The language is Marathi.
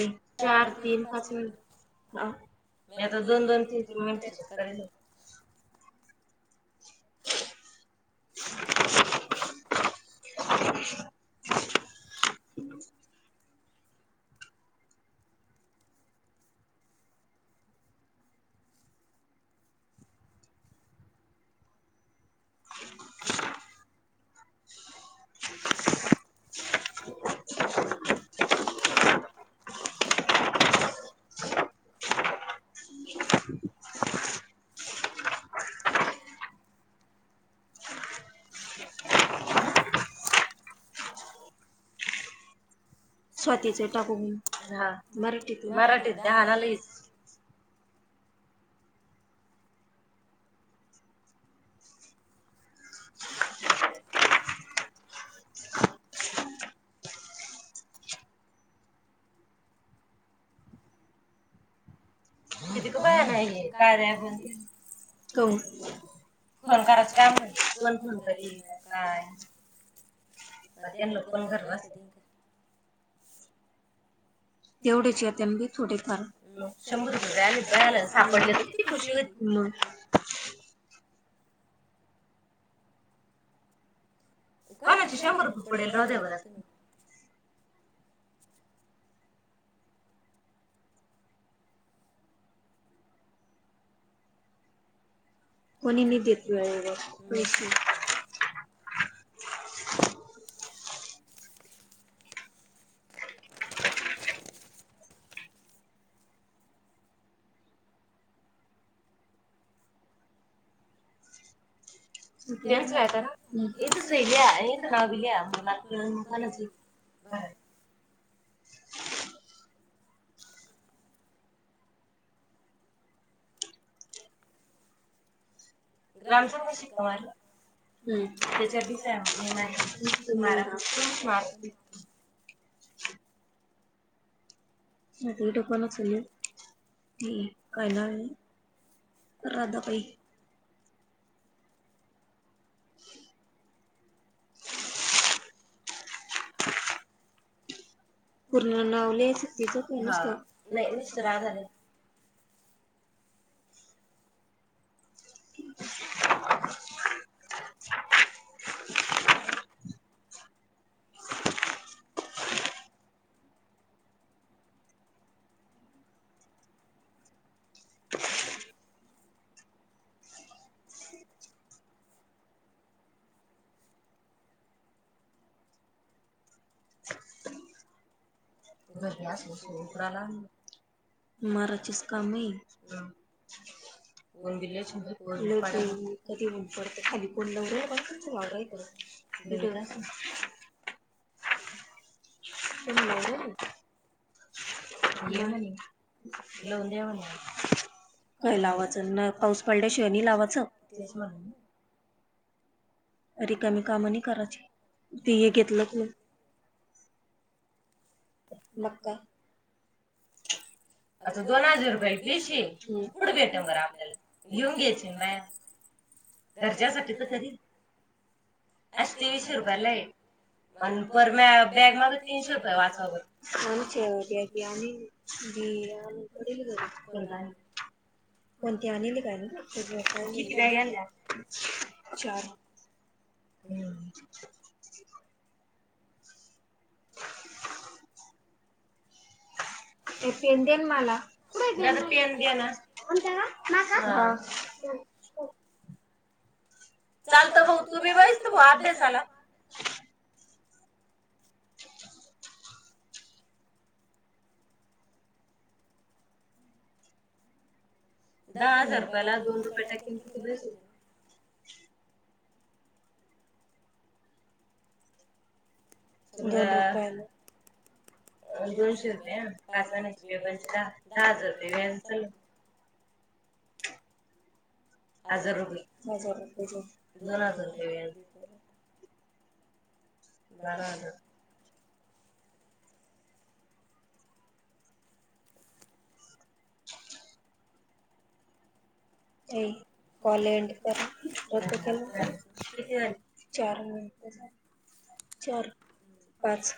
एक, चार, तीन, पाच मिन्, आं. मी आता दोन-दोन, तीन-तीन मिनटाचेच करायलेय. [inaudible] [inaudible] स्वातीचे टाकून. हां, मराठीत. मराठीत धारा लयच. कितीक बाया नाई नई ए, कार्या बोनतीन. का ऊन? फोन करायचू काय म्हण? कोण फोन करीन काय? आ त्यांना पण गरज असणं. तेवढेच येत्यान बाई थोटे फार. म, शंभर रुपये [unintelligible] दह्याला सांबरले तरी. ती कशी व्हतीन म? कोणाचे शंभर रुपये पडेल, राहूद्या बर आत तुम्ही? कोणी नई देत वेळेवर. [unintelligible] त्यांच काय करा? इथं सही घ्या, इथं नाव लिहा, म्हणजे मान कळन म कोणाचय ते? भरा नं. लांब जावा शिकवायला. हम्, तेच्या आदी सॅम [unintelligible] यात वीटा कोनाचं नई. अम् काय ना आणि, राधा बाई. [inaudible] [inaudible] पूर्ण नाव लिहायच की [unintelligible] नुसत राधा लिहायच. [inaudible] [inaudible] तेवढा ग्लास उचलून [unintelligible] मराचीच कामय [unintelligible] [unintelligible] [unintelligible] [unintelligible] लावून दे म्हणे. काही लावाचन पाऊस पडल्या शिवाय नई लावाचं. रिकामी काम नई कराचे. ते हे घेतलं मग का? [inaudible] आता दोन हजार रुपयाला पेशीये. कुट भेटन बरं आपल्याला? येऊन घ्यायचे न बाया घरच्या साठी त तरी? अशी तेवीशे रुपयालाये. अन पर माया बॅग मधे तीनशे रुपये वाचव बर [unintelligible] जी [unintelligible] कोणती आणेल कानी [unintelligible] चार. हम्. ये पेन देन मला. कुटाय पेन. दादा पेन देन कोणता ग माका हा. स्टॉप. चालत भाऊ तू बी बस तु भाऊ अभ्यासाला. [inaudible] दहा हजार रुपयाला दोन रुपये टाकेन किती पैशे येतील. समजा. दोनशे रुपये ना पाचवानची बे पंची दहा दहा हजार रुपये व्याजाच चाल हो. हजार रुपये. दोन हजार रुपये व्याज लिही तेवढ. बारा हजार. ये कॉल एंड कर [unintelligible] किती वेळ झाला? चार मिनट झाले चार पाच